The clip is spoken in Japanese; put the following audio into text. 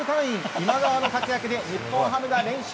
今川の活躍で日本ハムが連勝。